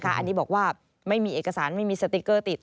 อันนี้บอกว่าไม่มีเอกสารไม่มีสติ๊กเกอร์ติด